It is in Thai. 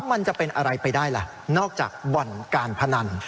มันจะเป็นอะไรไปได้ล่ะนอกจากบ่อนการพนัน